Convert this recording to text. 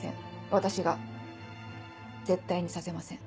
私が絶対にさせません。